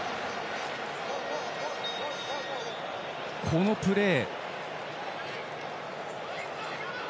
このプレー。